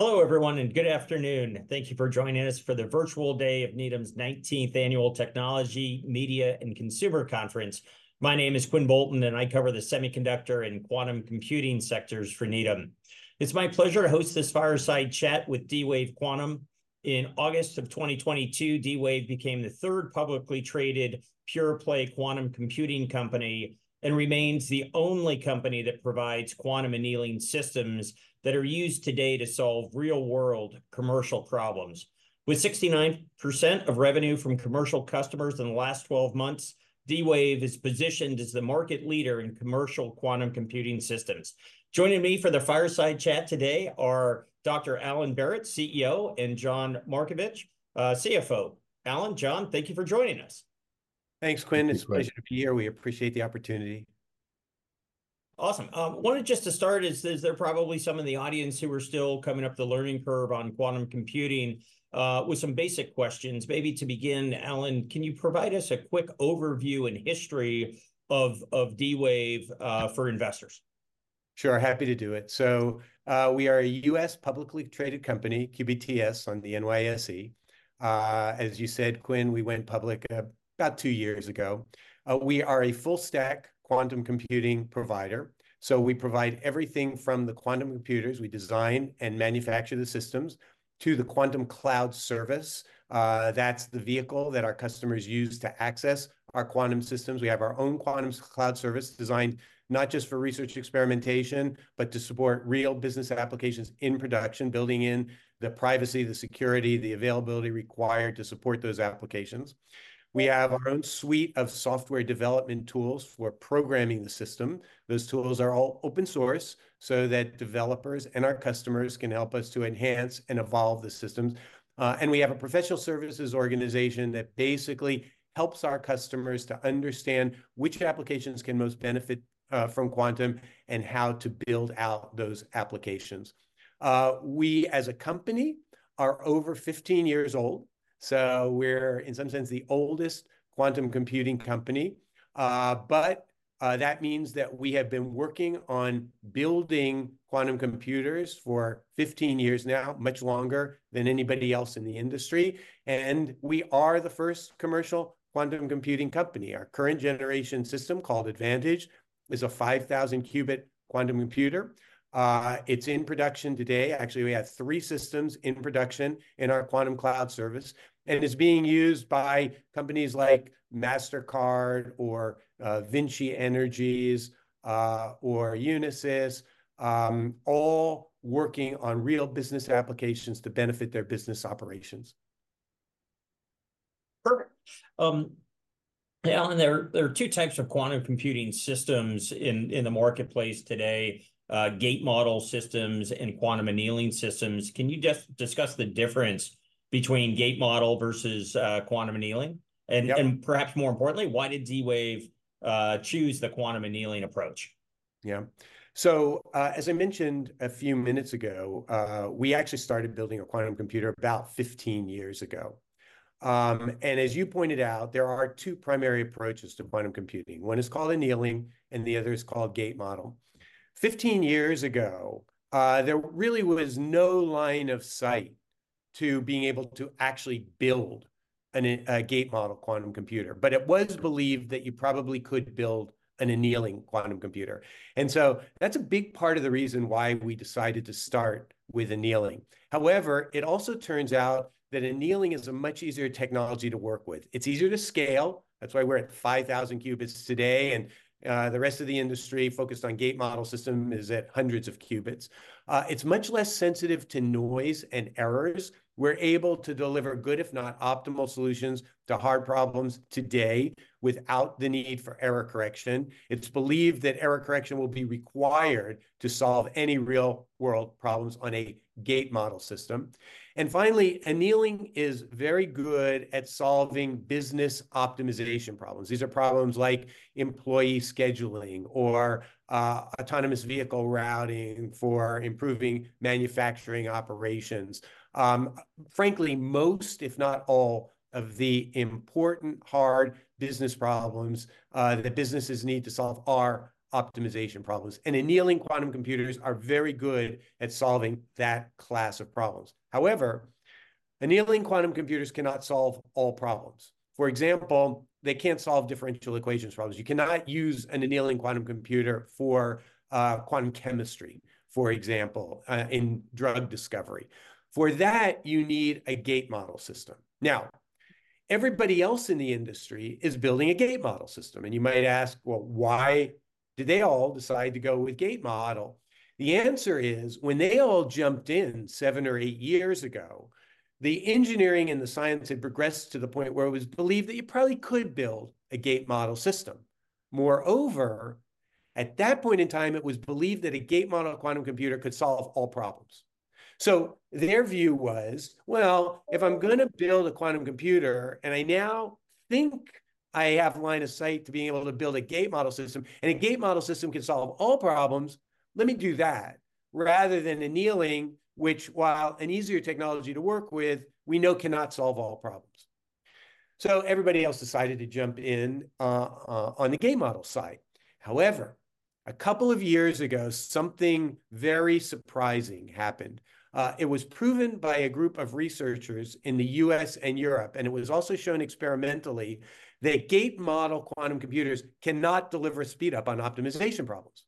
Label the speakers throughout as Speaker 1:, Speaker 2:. Speaker 1: Hello, everyone, and good afternoon. Thank you for joining us for the virtual day of Needham's 19th Annual Technology, Media, and Consumer Conference. My name is Quinn Bolton, and I cover the semiconductor and quantum computing sectors for Needham. It's my pleasure to host this fireside chat with D-Wave Quantum. In August of 2022, D-Wave became the third publicly traded pure-play quantum computing company, and remains the only company that provides quantum annealing systems that are used today to solve real-world commercial problems. With 69% of revenue from commercial customers in the last 12 months, D-Wave is positioned as the market leader in commercial quantum computing systems. Joining me for the fireside chat today are Dr. Alan Baratz, CEO, and John Markovich, CFO. Alan, John, thank you for joining us.
Speaker 2: Thanks, Quinn.
Speaker 3: Thanks, Quinn.
Speaker 2: It's a pleasure to be here. We appreciate the opportunity.
Speaker 1: Awesome. Wanted just to start, as there are probably some in the audience who are still coming up the learning curve on quantum computing with some basic questions. Maybe to begin, Alan, can you provide us a quick overview and history of D-Wave for investors?
Speaker 2: Sure, happy to do it. So, we are a U.S. publicly traded company, QBTS on the NYSE. As you said, Quinn, we went public, about two years ago. We are a full-stack quantum computing provider, so we provide everything from the quantum computers (we design and manufacture the systems) to the quantum cloud service. That's the vehicle that our customers use to access our quantum systems. We have our own quantum cloud service, designed not just for research experimentation, but to support real business applications in production, building in the privacy, the security, the availability required to support those applications. We have our own suite of software development tools for programming the system. Those tools are all open source, so that developers and our customers can help us to enhance and evolve the systems. We have a professional services organization that basically helps our customers to understand which applications can most benefit from quantum, and how to build out those applications. We, as a company, are over 15 years old, so we're, in some sense, the oldest quantum computing company. That means that we have been working on building quantum computers for 15 years now, much longer than anybody else in the industry, and we are the first commercial quantum computing company. Our current generation system, called Advantage, is a 5,000-qubit quantum computer. It's in production today. Actually, we have 3 systems in production in our quantum cloud service, and it's being used by companies like Mastercard or VINCI Energies or Unisys, all working on real business applications to benefit their business operations.
Speaker 1: Perfect. Now, there are two types of quantum computing systems in the marketplace today, gate model systems and quantum annealing systems. Can you just discuss the difference between gate model versus quantum annealing?
Speaker 2: Yep.
Speaker 1: Perhaps more importantly, why did D-Wave choose the quantum annealing approach?
Speaker 2: Yeah. So, as I mentioned a few minutes ago, we actually started building a quantum computer about 15 years ago. As you pointed out, there are two primary approaches to quantum computing. One is called annealing, and the other is called gate model. 15 years ago, there really was no line of sight to being able to actually build a gate model quantum computer. But it was believed that you probably could build an annealing quantum computer, and so that's a big part of the reason why we decided to start with annealing. However, it also turns out that annealing is a much easier technology to work with. It's easier to scale. That's why we're at 5,000 qubits today, and the rest of the industry, focused on gate model system, is at hundreds of qubits. It's much less sensitive to noise and errors. We're able to deliver good, if not optimal, solutions to hard problems today, without the need for error correction. It's believed that error correction will be required to solve any real-world problems on a gate model system. And finally, annealing is very good at solving business optimization problems. These are problems like employee scheduling or autonomous vehicle routing for improving manufacturing operations. Frankly, most, if not all, of the important, hard business problems that businesses need to solve are optimization problems, and annealing quantum computers are very good at solving that class of problems. However, annealing quantum computers cannot solve all problems. For example, they can't solve differential equations problems. You cannot use an annealing quantum computer for quantum chemistry, for example, in drug discovery. For that, you need a gate model system. Now, everybody else in the industry is building a gate model system, and you might ask, "Well, why did they all decide to go with gate model?" The answer is, when they all jumped in 7 or 8 years ago, the engineering and the science had progressed to the point where it was believed that you probably could build a gate model system. Moreover, at that point in time, it was believed that a gate model quantum computer could solve all problems. So their view was, "Well, if I'm gonna build a quantum computer, and I now think I have line of sight to being able to build a gate model system, and a gate model system can solve all problems, let me do that, rather than annealing, which, while an easier technology to work with, we know cannot solve all problems."... So everybody else decided to jump in on the gate model side. However, a couple of years ago, something very surprising happened. It was proven by a group of researchers in the U.S. and Europe, and it was also shown experimentally, that gate model quantum computers cannot deliver a speed-up on optimization problems.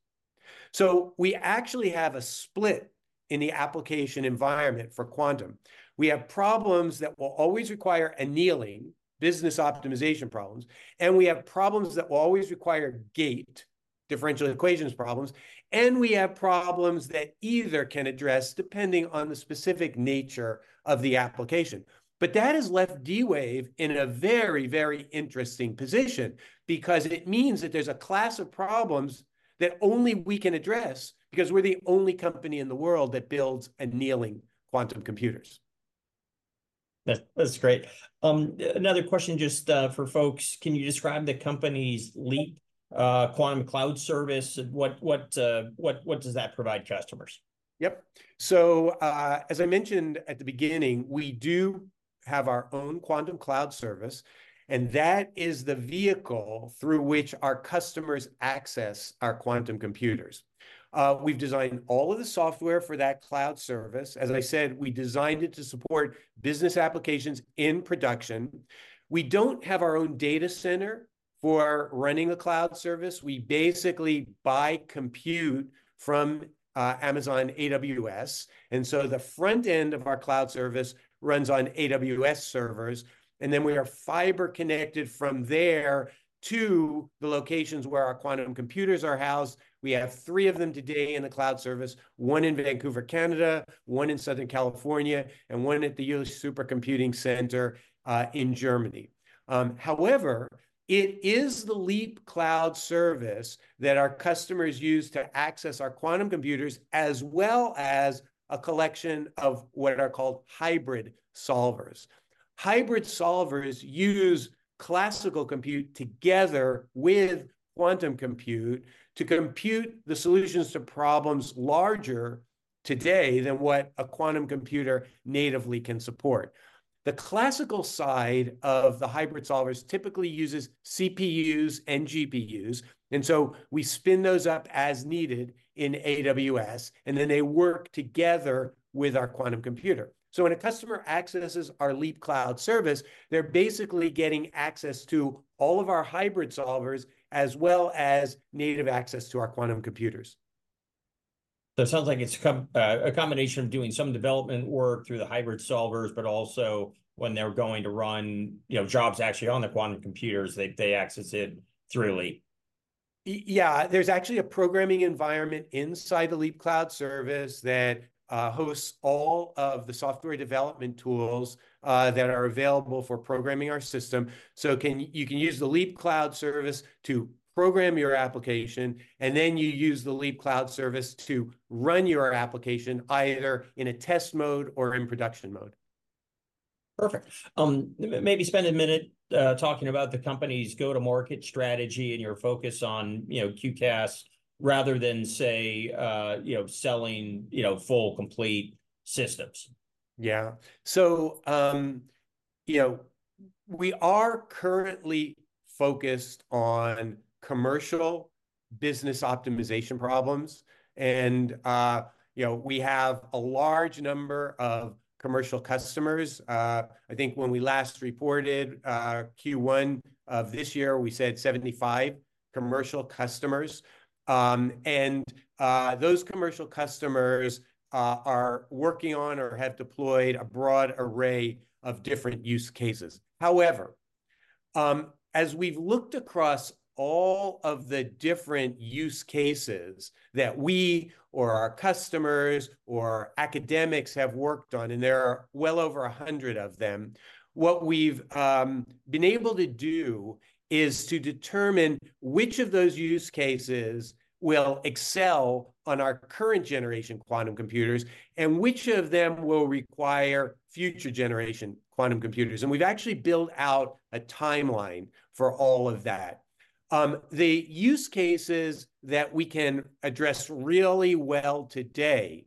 Speaker 2: So we actually have a split in the application environment for quantum. We have problems that will always require annealing, business optimization problems, and we have problems that will always require gate, differential equations problems, and we have problems that either can address, depending on the specific nature of the application. But that has left D-Wave in a very, very interesting position because it means that there's a class of problems that only we can address, because we're the only company in the world that builds annealing quantum computers.
Speaker 1: That, that's great. Another question just for folks: Can you describe the company's Leap quantum cloud service, and what does that provide customers?
Speaker 2: Yep. So, as I mentioned at the beginning, we do have our own quantum cloud service, and that is the vehicle through which our customers access our quantum computers. We've designed all of the software for that cloud service. As I said, we designed it to support business applications in production. We don't have our own data center for running the cloud service. We basically buy compute from Amazon AWS, and so the front end of our cloud service runs on AWS servers, and then we are fiber-connected from there to the locations where our quantum computers are housed. We have three of them today in the cloud service, one in Vancouver, Canada, one in Southern California, and one at the Jülich Supercomputing Centre in Germany. However, it is the Leap cloud service that our customers use to access our quantum computers, as well as a collection of what are called hybrid solvers. Hybrid solvers use classical compute together with quantum compute to compute the solutions to problems larger today than what a quantum computer natively can support. The classical side of the hybrid solvers typically uses CPUs and GPUs, and so we spin those up as needed in AWS, and then they work together with our quantum computer. So when a customer accesses our Leap cloud service, they're basically getting access to all of our hybrid solvers, as well as native access to our quantum computers.
Speaker 1: So it sounds like it's a combination of doing some development work through the hybrid solvers, but also when they're going to run, you know, jobs actually on the quantum computers, they access it through Leap.
Speaker 2: Yeah, there's actually a programming environment inside the Leap cloud service that hosts all of the software development tools that are available for programming our system. So you can use the Leap cloud service to program your application, and then you use the Leap cloud service to run your application, either in a test mode or in production mode.
Speaker 1: Perfect. Maybe spend a minute talking about the company's go-to-market strategy and your focus on, you know, QCaaS, rather than, say, you know, selling, you know, full, complete systems.
Speaker 2: Yeah. So, you know, we are currently focused on commercial business optimization problems, and, you know, we have a large number of commercial customers. I think when we last reported, Q1 of this year, we said 75 commercial customers. And, those commercial customers, are working on or have deployed a broad array of different use cases. However, as we've looked across all of the different use cases that we or our customers or academics have worked on, and there are well over 100 of them, what we've, been able to do is to determine which of those use cases will excel on our current-generation quantum computers and which of them will require future-generation quantum computers, and we've actually built out a timeline for all of that. The use cases that we can address really well today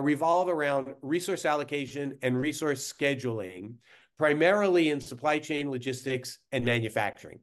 Speaker 2: revolve around resource allocation and resource scheduling, primarily in supply chain logistics and manufacturing.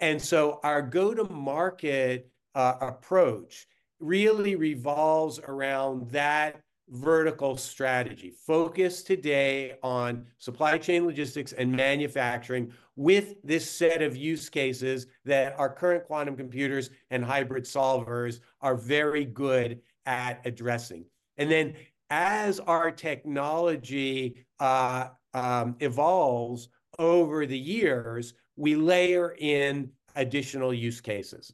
Speaker 2: And so our go-to-market approach really revolves around that vertical strategy, focused today on supply chain logistics and manufacturing, with this set of use cases that our current quantum computers and hybrid solvers are very good at addressing. And then, as our technology evolves over the years, we layer in additional use cases.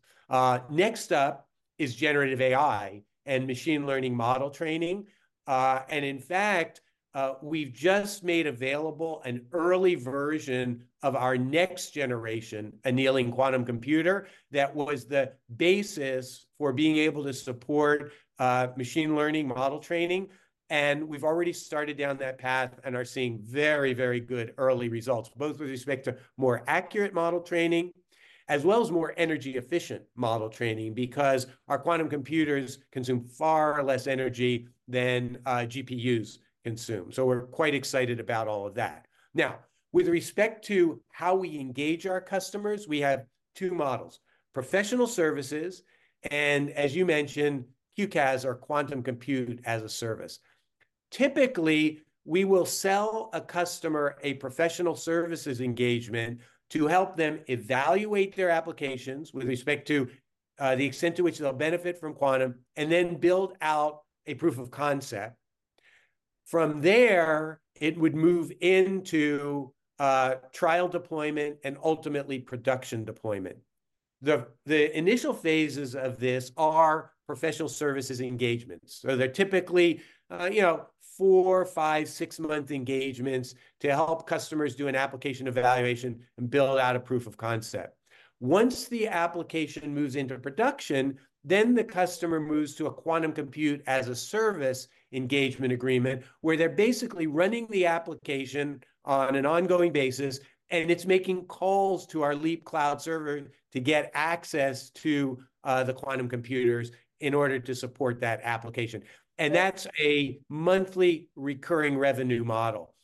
Speaker 2: Next up is generative AI and machine learning model training. And in fact, we've just made available an early version of our next-generation annealing quantum computer that was the basis for being able to support machine learning model training, and we've already started down that path and are seeing very, very good early results, both with respect to more accurate model training, as well as more energy-efficient model training, because our quantum computers consume far less energy than GPUs consume. So we're quite excited about all of that. Now, with respect to how we engage our customers, we have two models: professional services, and as you mentioned, QCaaS, or quantum compute as a service. Typically, we will sell a customer a professional services engagement to help them evaluate their applications with respect to the extent to which they'll benefit from quantum, and then build out a proof of concept. From there, it would move into trial deployment, and ultimately production deployment. The initial phases of this are professional services engagements. So they're typically, you know, 4, 5, 6-month engagements to help customers do an application evaluation and build out a proof of concept. Once the application moves into production, then the customer moves to a quantum compute-as-a-service engagement agreement, where they're basically running the application on an ongoing basis, and it's making calls to our Leap Cloud server to get access to the quantum computers in order to support that application, and that's a monthly recurring revenue model.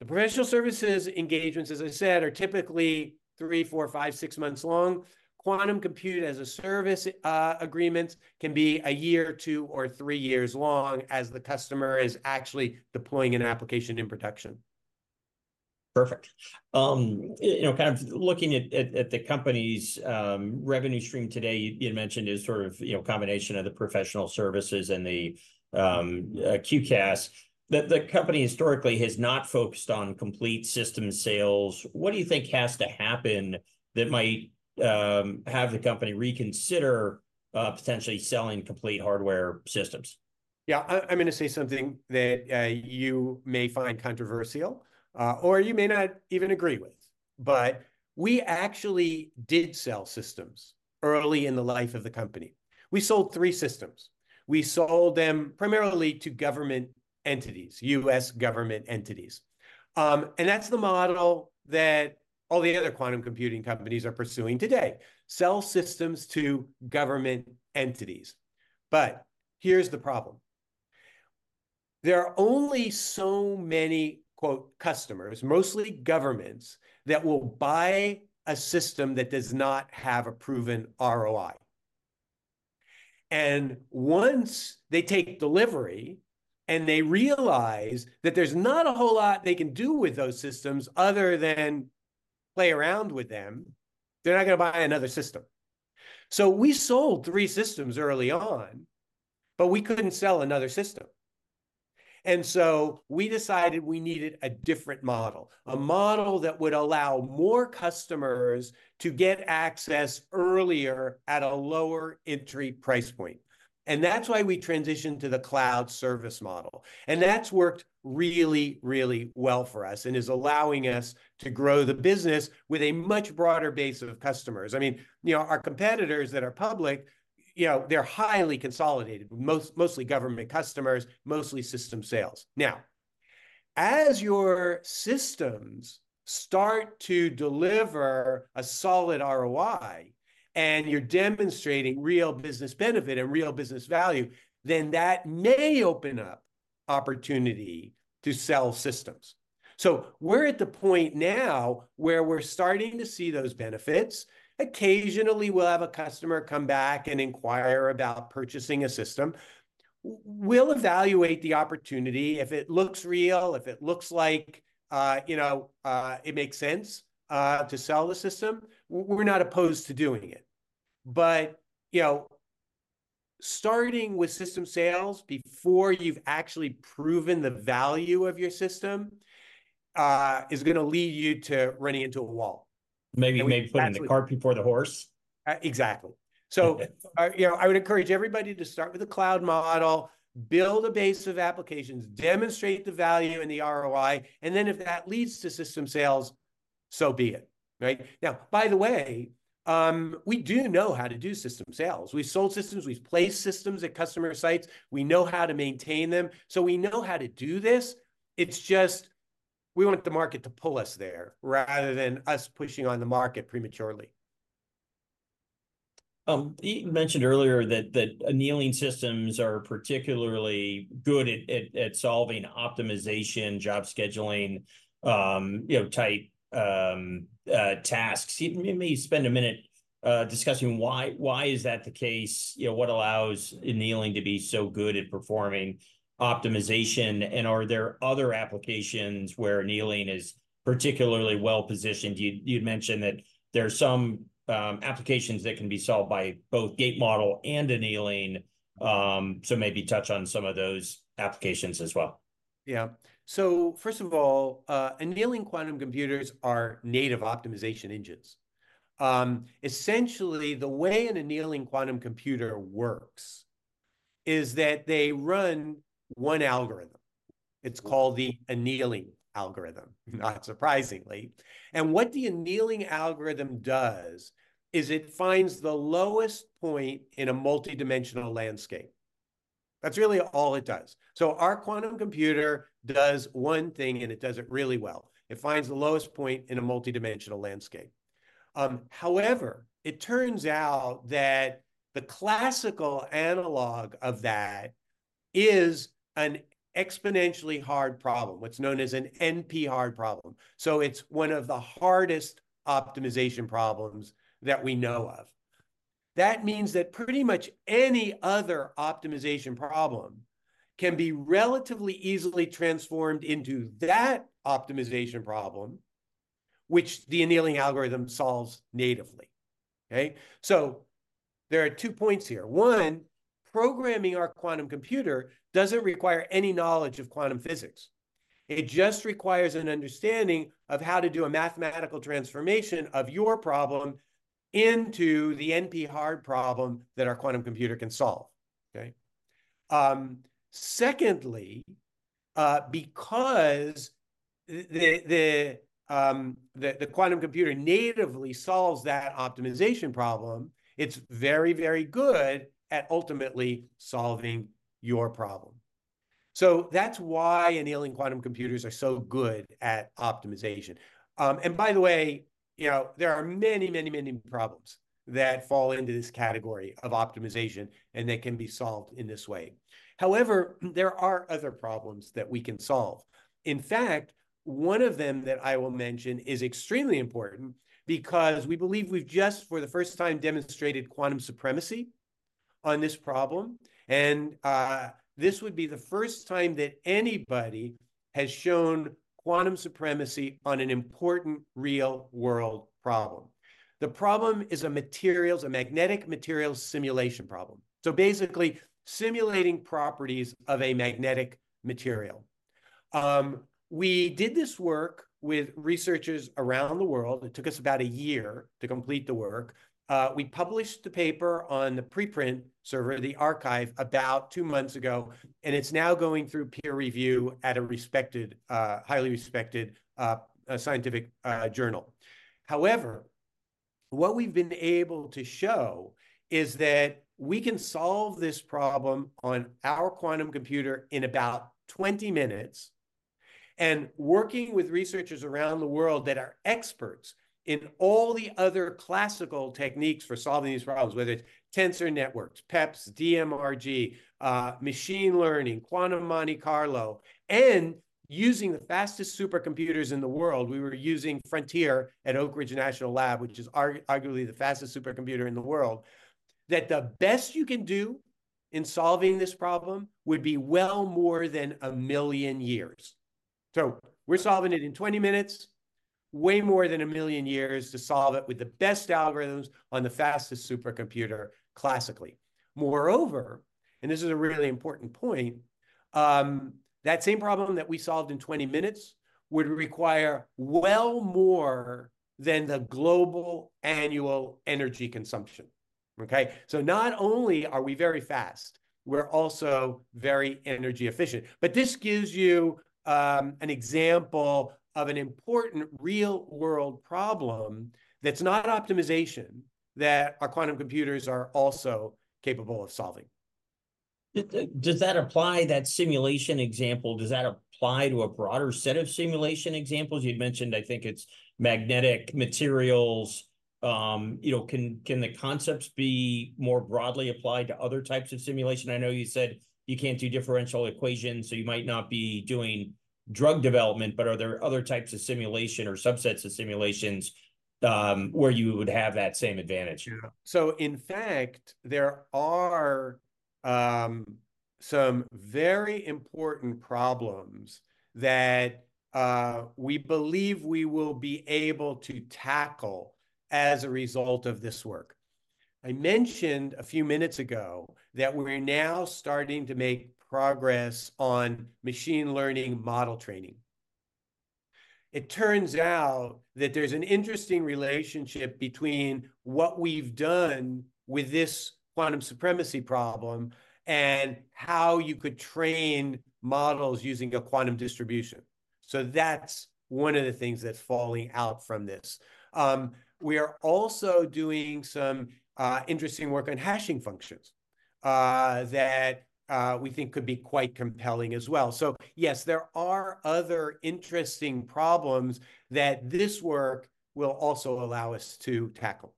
Speaker 2: The professional services engagements, as I said, are typically 3, 4, 5, 6 months long. Quantum compute-as-a-service agreements can be a year, 2, or 3 years long as the customer is actually deploying an application in production.
Speaker 1: Perfect. You know, kind of looking at the company's revenue stream today, you'd mentioned is sort of, you know, a combination of the professional services and the QCaaS, the company historically has not focused on complete system sales. What do you think has to happen that might have the company reconsider potentially selling complete hardware systems?
Speaker 2: Yeah, I'm gonna say something that you may find controversial, or you may not even agree with, but we actually did sell systems early in the life of the company. We sold three systems. We sold them primarily to government entities, U.S. government entities. And that's the model that all the other quantum computing companies are pursuing today, sell systems to government entities. But here's the problem: There are only so many “customers,” mostly governments, that will buy a system that does not have a proven ROI. And once they take delivery, and they realize that there's not a whole lot they can do with those systems other than play around with them, they're not gonna buy another system. So we sold three systems early on, but we couldn't sell another system, and so we decided we needed a different model, a model that would allow more customers to get access earlier at a lower entry price point, and that's why we transitioned to the cloud service model. And that's worked really, really well for us and is allowing us to grow the business with a much broader base of customers. I mean, you know, our competitors that are public, you know, they're highly consolidated, mostly government customers, mostly system sales. Now, as your systems start to deliver a solid ROI, and you're demonstrating real business benefit and real business value, then that may open up opportunity to sell systems. So we're at the point now where we're starting to see those benefits. Occasionally, we'll have a customer come back and inquire about purchasing a system. We'll evaluate the opportunity. If it looks real, if it looks like, you know, it makes sense to sell the system, we're not opposed to doing it. But, you know, starting with system sales before you've actually proven the value of your system, is gonna lead you to running into a wall. And we-
Speaker 1: Maybe maybe putting the cart before the horse?
Speaker 2: Uh, exactly.
Speaker 1: Okay.
Speaker 2: So, you know, I would encourage everybody to start with a cloud model, build a base of applications, demonstrate the value and the ROI, and then if that leads to system sales, so be it, right? Now, by the way, we do know how to do system sales. We've sold systems. We've placed systems at customer sites. We know how to maintain them. So we know how to do this. It's just we want the market to pull us there, rather than us pushing on the market prematurely.
Speaker 1: You mentioned earlier that annealing systems are particularly good at solving optimization, job scheduling, you know, type tasks. You may spend a minute discussing why is that the case? You know, what allows annealing to be so good at performing optimization, and are there other applications where annealing is particularly well-positioned? You'd mentioned that there's some applications that can be solved by both gate model and annealing, so maybe touch on some of those applications as well.
Speaker 2: Yeah. So first of all, annealing quantum computers are native optimization engines. Essentially, the way an annealing quantum computer works is that they run one algorithm. It's called the annealing algorithm, not surprisingly. And what the annealing algorithm does is it finds the lowest point in a multidimensional landscape. That's really all it does. So our quantum computer does one thing, and it does it really well. It finds the lowest point in a multidimensional landscape. However, it turns out that the classical analog of that is an exponentially hard problem, what's known as an NP-hard problem, so it's one of the hardest optimization problems that we know of. That means that pretty much any other optimization problem can be relatively easily transformed into that optimization problem, which the annealing algorithm solves natively, okay? So there are two points here: One, programming our quantum computer doesn't require any knowledge of quantum physics. It just requires an understanding of how to do a mathematical transformation of your problem into the NP-hard problem that our quantum computer can solve, okay? Secondly, because the quantum computer natively solves that optimization problem, it's very, very good at ultimately solving your problem. So that's why annealing quantum computers are so good at optimization. And by the way, you know, there are many, many, many problems that fall into this category of optimization, and that can be solved in this way. However, there are other problems that we can solve. In fact, one of them that I will mention is extremely important because we believe we've just, for the first time, demonstrated quantum supremacy on this problem, and this would be the first time that anybody has shown quantum supremacy on an important real-world problem. The problem is a materials, a magnetic materials simulation problem, so basically simulating properties of a magnetic material. We did this work with researchers around the world. It took us about a year to complete the work. We published the paper on the preprint server, the archive, about 2 months ago, and it's now going through peer review at a respected, highly respected, scientific journal. However, what we've been able to show is that we can solve this problem on our quantum computer in about 20 minutes, and working with researchers around the world that are experts in all the other classical techniques for solving these problems, whether it's tensor networks, PEPS, DMRG, machine learning, quantum Monte Carlo, and using the fastest supercomputers in the world, we were using Frontier at Oak Ridge National Lab, which is arguably the fastest supercomputer in the world, that the best you can do in solving this problem would be well more than 1 million years. So we're solving it in 20 minutes, way more than 1 million years to solve it with the best algorithms on the fastest supercomputer classically. Moreover, and this is a really important point, that same problem that we solved in 20 minutes would require well more than the global annual energy consumption, okay? So not only are we very fast, we're also very energy efficient. But this gives you, an example of an important real-world problem that's not optimization, that our quantum computers are also capable of solving.
Speaker 1: Does that apply, that simulation example, does that apply to a broader set of simulation examples? You'd mentioned I think it's magnetic materials. You know, can the concepts be more broadly applied to other types of simulation? I know you said you can't do differential equations, so you might not be doing drug development, but are there other types of simulation or subsets of simulations, where you would have that same advantage?
Speaker 2: Yeah. So in fact, there are some very important problems that we believe we will be able to tackle as a result of this work. I mentioned a few minutes ago that we're now starting to make progress on machine learning model training. It turns out that there's an interesting relationship between what we've done with this quantum supremacy problem and how you could train models using a quantum distribution. So that's one of the things that's falling out from this. We are also doing some interesting work on hashing functions that we think could be quite compelling as well. So yes, there are other interesting problems that this work will also allow us to tackle.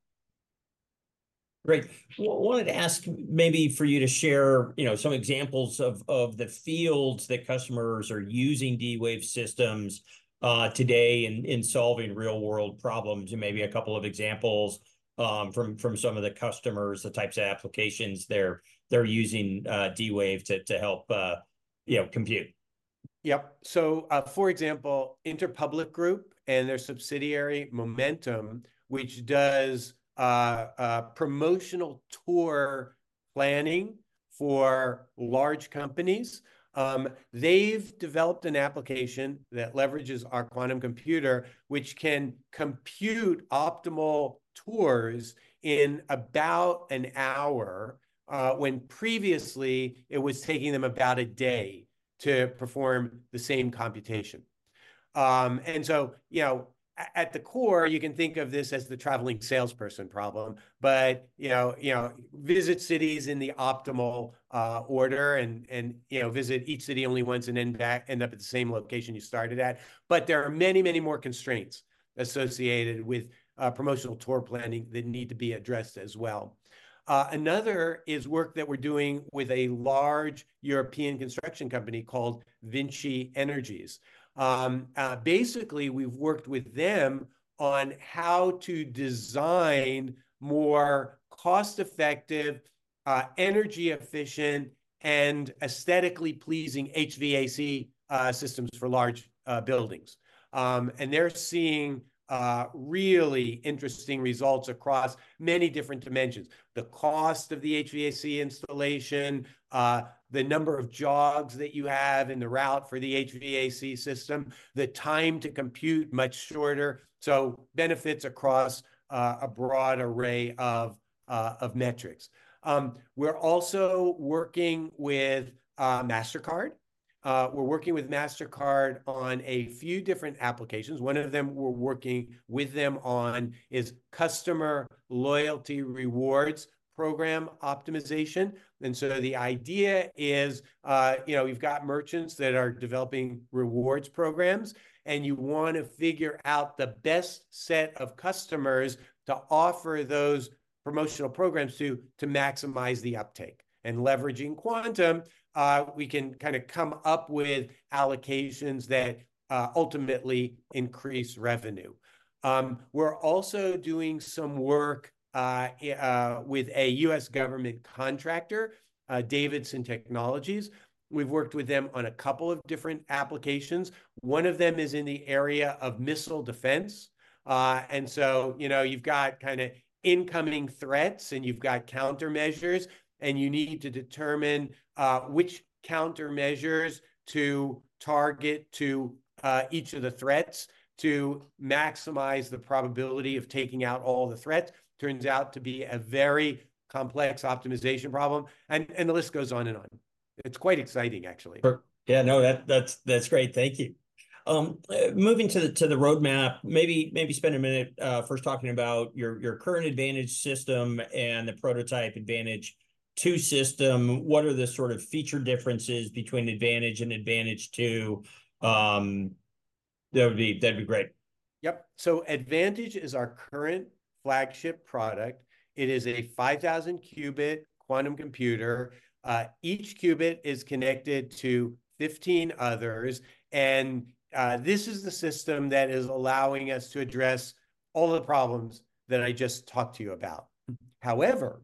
Speaker 1: Great. We wanted to ask maybe for you to share, you know, some examples of the fields that customers are using D-Wave systems today in solving real-world problems, and maybe a couple of examples from some of the customers, the types of applications they're using D-Wave to help, you know, compute.
Speaker 2: Yep. So, for example, Interpublic Group and their subsidiary, Momentum, which does promotional tour planning for large companies, they've developed an application that leverages our quantum computer, which can compute optimal tours in about an hour, when previously it was taking them about a day to perform the same computation. So, you know, at the core, you can think of this as the traveling salesperson problem, but you know, visit cities in the optimal order, and you know, visit each city only once and end back up at the same location you started at. But there are many, many more constraints associated with promotional tour planning that need to be addressed as well. Another is work that we're doing with a large European construction company called VINCI Energies. Basically, we've worked with them on how to design more cost-effective, energy-efficient, and aesthetically pleasing HVAC systems for large buildings. And they're seeing really interesting results across many different dimensions: the cost of the HVAC installation, the number of jogs that you have in the route for the HVAC system, the time to compute, much shorter, so benefits across a broad array of metrics. We're also working with Mastercard. We're working with Mastercard on a few different applications. One of them we're working with them on is customer loyalty rewards program optimization. And so the idea is, you know, you've got merchants that are developing rewards programs, and you want to figure out the best set of customers to offer those promotional programs to, to maximize the uptake. Leveraging quantum, we can kind of come up with allocations that ultimately increase revenue. We're also doing some work with a U.S. government contractor, Davidson Technologies. We've worked with them on a couple of different applications. One of them is in the area of missile defense. And so, you know, you've got kind of incoming threats, and you've got countermeasures, and you need to determine which countermeasures to target to each of the threats to maximize the probability of taking out all the threats. Turns out to be a very complex optimization problem, and the list goes on and on. It's quite exciting, actually.
Speaker 1: Sure. Yeah, no, that, that's, that's great. Thank you. Moving to the roadmap, maybe spend a minute first talking about your current Advantage system and the prototype Advantage2 system. What are the sort of feature differences between Advantage and Advantage2? That would be, that'd be great.
Speaker 2: Yep. So Advantage is our current flagship product. It is a 5,000-qubit quantum computer. Each qubit is connected to 15 others, and this is the system that is allowing us to address all the problems that I just talked to you about. However,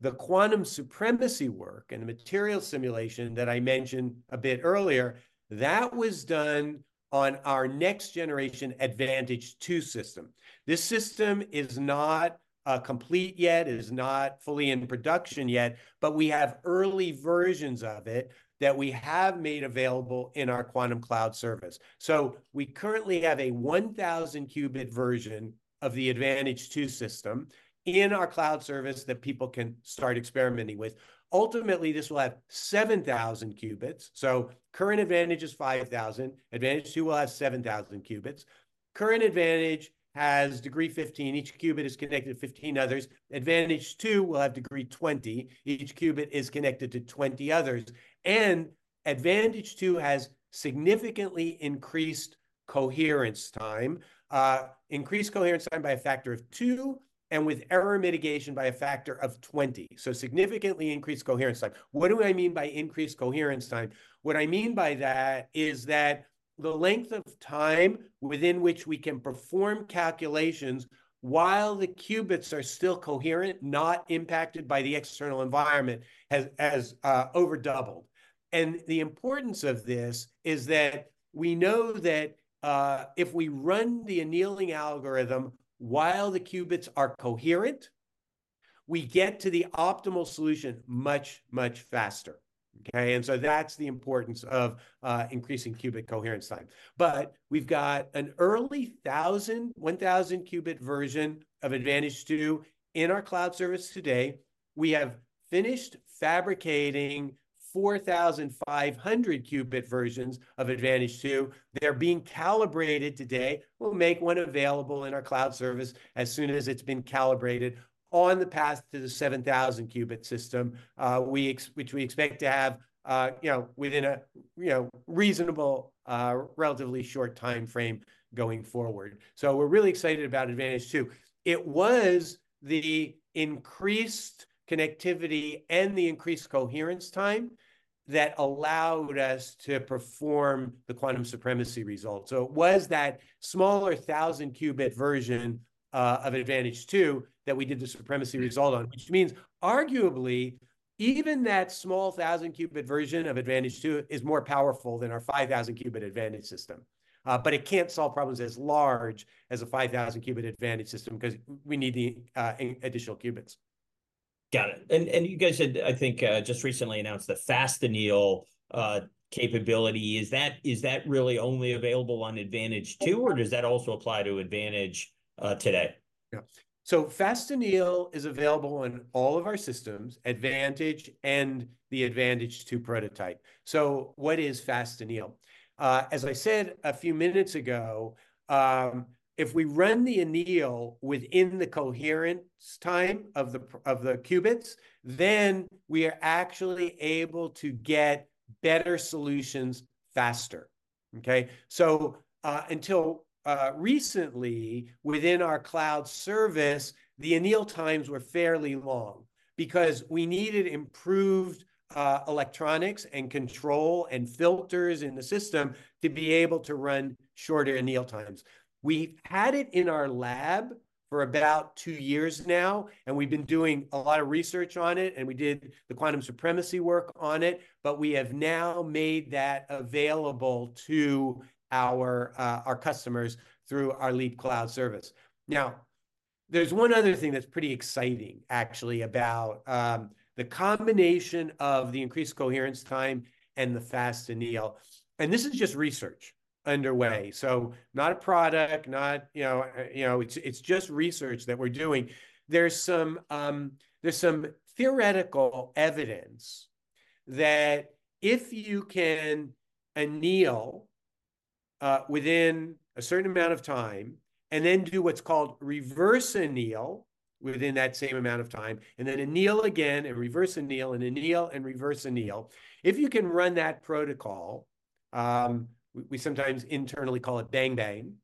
Speaker 2: the quantum supremacy work and the material simulation that I mentioned a bit earlier, that was done on our next-generation Advantage2 system. This system is not complete yet. It is not fully in production yet, but we have early versions of it that we have made available in our quantum cloud service. So we currently have a 1,000-qubit version of the Advantage2 system in our cloud service that people can start experimenting with. Ultimately, this will have 7,000 qubits, so current Advantage is 5,000. Advantage2 will have 7,000 qubits. Current Advantage has degree 15. Each qubit is connected to 15 others. Advantage2 will have degree 20. Each qubit is connected to 20 others. And Advantage2 has significantly increased coherence time, increased coherence time by a factor of 2, and with error mitigation, by a factor of 20, so significantly increased coherence time. What do I mean by increased coherence time? What I mean by that is that the length of time within which we can perform calculations while the qubits are still coherent, not impacted by the external environment, has over doubled. And the importance of this is that we know that, if we run the annealing algorithm while the qubits are coherent, we get to the optimal solution much, much faster, okay? And so that's the importance of increasing qubit coherence time. But we've got an early 1,000-qubit version of Advantage2 in our cloud service today. We have finished fabricating 4,500-qubit versions of Advantage2. They're being calibrated today. We'll make one available in our cloud service as soon as it's been calibrated on the path to the 7,000-qubit system, which we expect to have, you know, within a, you know, relatively short timeframe going forward. So we're really excited about Advantage2. It was the increased connectivity and the increased coherence time that allowed us to perform the quantum supremacy result. So it was that smaller 1,000-qubit version of Advantage2 that we did the supremacy result on, which means arguably, even that small 1,000-qubit version of Advantage2 is more powerful than our 5,000-qubit Advantage system. But it can't solve problems as large as a 5,000-qubit Advantage system 'cause we need the additional qubits.
Speaker 1: Got it. And you guys had, I think, just recently announced the Fast anneal capability. Is that really only available on Advantage2?
Speaker 2: Mm-hmm...
Speaker 1: or does that also apply to Advantage, today?...
Speaker 2: Yeah. So fast anneal is available on all of our systems, Advantage and the Advantage2 prototype. So what is fast anneal? As I said a few minutes ago, if we run the anneal within the coherence time of the qubits, then we are actually able to get better solutions faster, okay? So, until recently, within our cloud service, the anneal times were fairly long because we needed improved electronics and control and filters in the system to be able to run shorter anneal times. We've had it in our lab for about two years now, and we've been doing a lot of research on it, and we did the quantum supremacy work on it, but we have now made that available to our customers through our Leap cloud service. Now, there's one other thing that's pretty exciting, actually, about the combination of the increased coherence time and the fast anneal, and this is just research underway, so not a product, not, you know, you know, it's just research that we're doing. There's some theoretical evidence that if you can anneal within a certain amount of time and then do what's called reverse anneal within that same amount of time, and then anneal again, and reverse anneal, and anneal, and reverse anneal, if you can run that protocol, we sometimes internally call it bang-bang.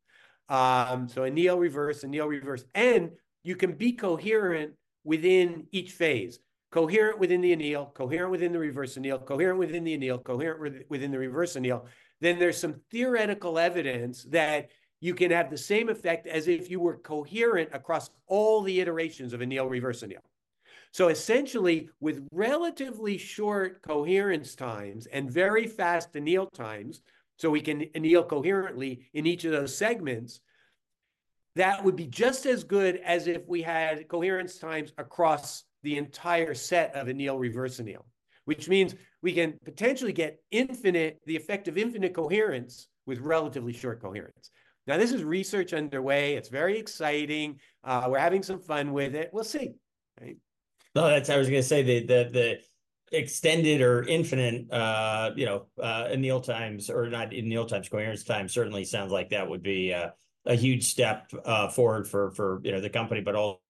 Speaker 2: So anneal, reverse, anneal, reverse, and you can be coherent within each phase, coherent within the anneal, coherent within the reverse anneal, coherent within the anneal, coherent within the reverse anneal, then there's some theoretical evidence that you can have the same effect as if you were coherent across all the iterations of anneal, reverse anneal. So essentially, with relatively short coherence times and very fast anneal times, so we can anneal coherently in each of those segments, that would be just as good as if we had coherence times across the entire set of anneal, reverse anneal, which means we can potentially get infinite- the effect of infinite coherence with relatively short coherence. Now, this is research underway. It's very exciting. We're having some fun with it. We'll see, right?
Speaker 1: No, that's what I was gonna say, the extended or infinite, you know, anneal times, or not anneal times, coherence time, certainly sounds like that would be a huge step forward for you know, the company, but also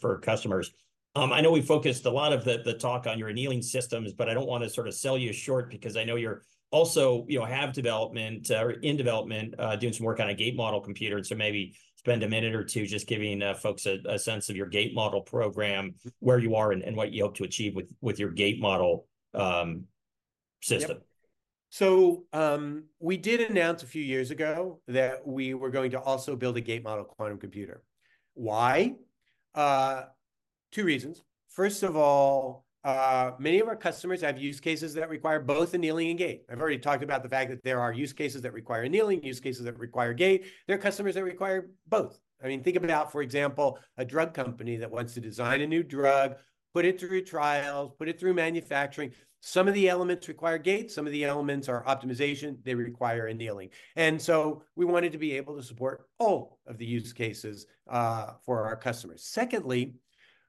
Speaker 1: for customers. I know we focused a lot of the talk on your annealing systems, but I don't wanna sort of sell you short because I know you're also, you know, have development, or in development, doing some work on a gate model computer. And so maybe spend a minute or two just giving folks a sense of your gate model program, where you are, and what you hope to achieve with your gate model system.
Speaker 2: Yep. So, we did announce a few years ago that we were going to also build a gate model quantum computer. Why? Two reasons. First of all, many of our customers have use cases that require both annealing and gate. I've already talked about the fact that there are use cases that require annealing, use cases that require gate. There are customers that require both. I mean, think about, for example, a drug company that wants to design a new drug, put it through trials, put it through manufacturing. Some of the elements require gate, some of the elements are optimization, they require annealing. And so we wanted to be able to support all of the use cases, for our customers. Secondly,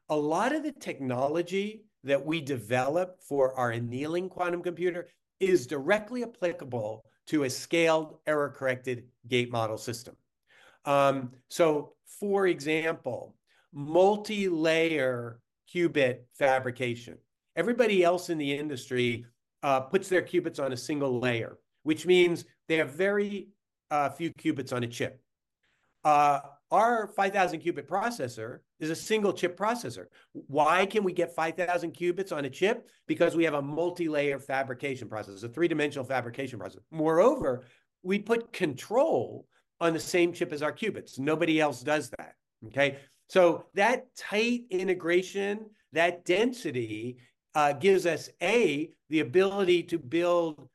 Speaker 2: a lot of the technology that we develop for our annealing quantum computer is directly applicable to a scaled, error-corrected gate model system. So for example, multilayer qubit fabrication. Everybody else in the industry puts their qubits on a single layer, which means they have very few qubits on a chip. Our 5,000-qubit processor is a single-chip processor. Why can we get 5,000 qubits on a chip? Because we have a multilayer fabrication process, a three-dimensional fabrication process. Moreover, we put control on the same chip as our qubits. Nobody else does that, okay? So that tight integration, that density gives us, A, the ability to build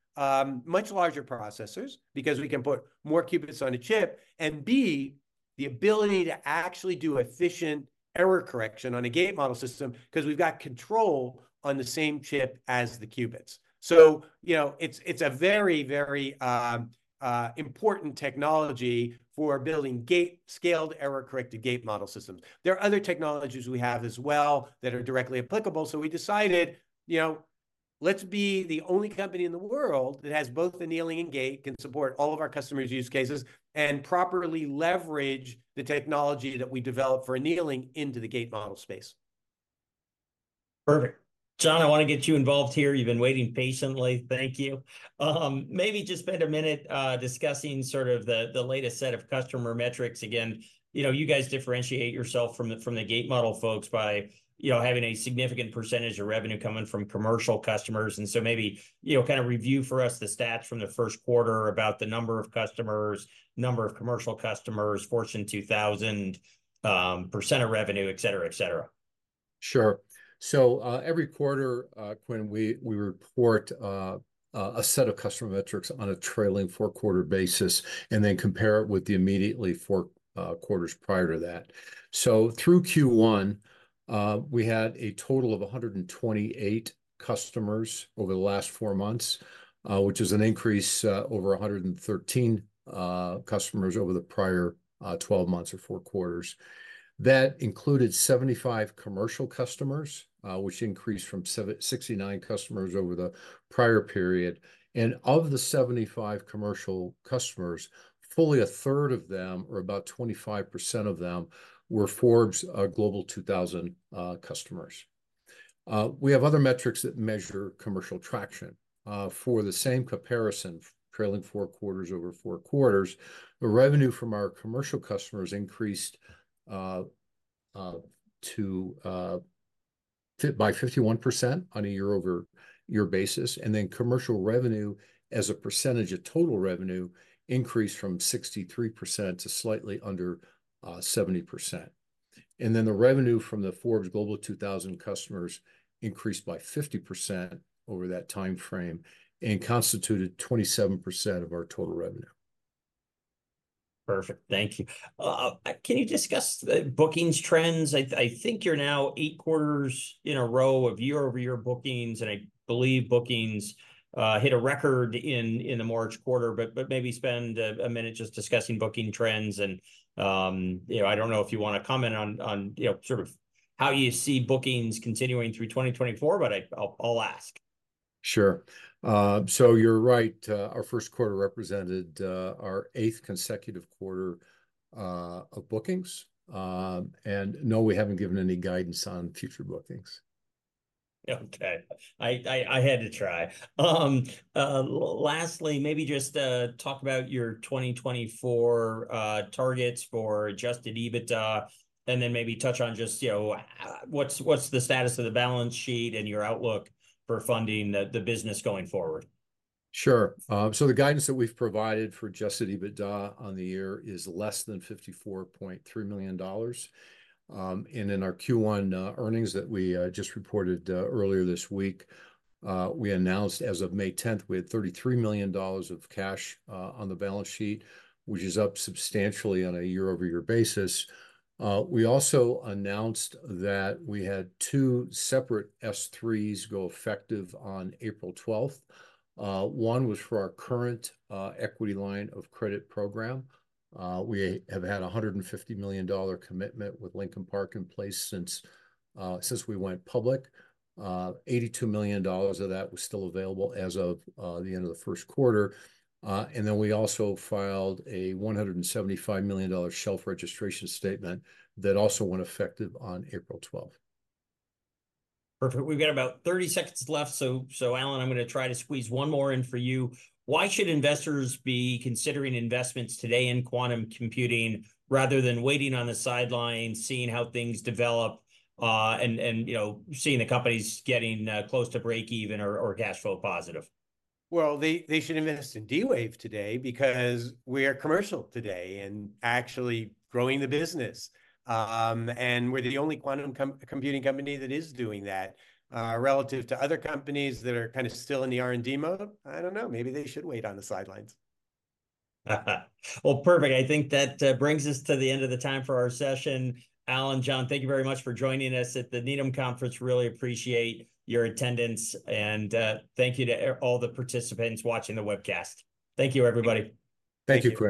Speaker 2: much larger processors because we can put more qubits on a chip, and B, the ability to actually do efficient error correction on a gate model system 'cause we've got control on the same chip as the qubits. So, you know, it's a very, very important technology for building gate-scaled, error-corrected gate model systems. There are other technologies we have as well that are directly applicable, so we decided, you know, let's be the only company in the world that has both annealing and gate, can support all of our customers' use cases, and properly leverage the technology that we develop for annealing into the gate model space.
Speaker 1: Perfect. John, I wanna get you involved here. You've been waiting patiently. Thank you. Maybe just spend a minute discussing sort of the latest set of customer metrics. Again, you know, you guys differentiate yourself from the gate model folks by, you know, having a significant percentage of revenue coming from commercial customers, and so maybe, you know, kind of review for us the stats from the first quarter about the number of customers, number of commercial customers, Fortune 2000, percent of revenue, et cetera, et cetera....
Speaker 3: Sure. So, every quarter, Quinn, we report a set of customer metrics on a trailing four-quarter basis, and then compare it with the immediately four quarters prior to that. So through Q1, we had a total of 128 customers over the last four months, which is an increase over 113 customers over the prior 12 months or four quarters. That included 75 commercial customers, which increased from 69 customers over the prior period. And of the 75 commercial customers, fully a third of them, or about 25% of them, were Forbes Global 2000 customers. We have other metrics that measure commercial traction. For the same comparison, trailing four quarters over four quarters, the revenue from our commercial customers increased by 51% on a year-over-year basis, and then commercial revenue as a percentage of total revenue increased from 63% to slightly under 70%. And then the revenue from the Forbes Global 2000 customers increased by 50% over that timeframe, and constituted 27% of our total revenue.
Speaker 1: Perfect, thank you. Can you discuss the bookings trends? I think you're now eight quarters in a row of year-over-year bookings, and I believe bookings hit a record in the March quarter. But maybe spend a minute just discussing booking trends and, you know, I don't know if you wanna comment on, you know, sort of how you see bookings continuing through 2024, but I... I'll ask.
Speaker 3: Sure. You're right, our first quarter represented our eighth consecutive quarter of bookings. No, we haven't given any guidance on future bookings.
Speaker 1: Okay. Lastly, maybe just talk about your 2024 targets for adjusted EBITDA, and then maybe touch on just, you know, what's the status of the balance sheet and your outlook for funding the business going forward?
Speaker 3: Sure. So the guidance that we've provided for adjusted EBITDA on the year is less than $54.3 million. And in our Q1 earnings that we just reported earlier this week, we announced as of May 10th, we had $33 million of cash on the balance sheet, which is up substantially on a year-over-year basis. We also announced that we had two separate S-3s go effective on April 12th. One was for our current equity line of credit program. We have had a $150 million commitment with Lincoln Park in place since we went public. $82 million of that was still available as of the end of the first quarter. And then we also filed a $175 million shelf registration statement that also went effective on April 12th.
Speaker 1: Perfect. We've got about 30 seconds left, so Alan, I'm gonna try to squeeze one more in for you. Why should investors be considering investments today in quantum computing rather than waiting on the sidelines, seeing how things develop, and you know, seeing the companies getting close to breakeven or cashflow positive?
Speaker 2: Well, they, they should invest in D-Wave today, because we are commercial today, and actually growing the business. We're the only quantum computing company that is doing that. Relative to other companies that are kind of still in the R&D mode, I don't know, maybe they should wait on the sidelines.
Speaker 1: Well, perfect. I think that brings us to the end of the time for our session. Alan, John, thank you very much for joining us at the Needham Conference, really appreciate your attendance, and thank you to all the participants watching the webcast. Thank you, everybody.
Speaker 3: Thank you, Quinn.